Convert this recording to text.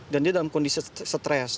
dan dia dalam kondisi stres